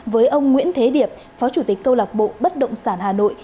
với ông nguyễn thế điệp phó chủ tịch câu lạc bộ bất động sản hà nội